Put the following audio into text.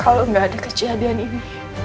kalau nggak ada kejadian ini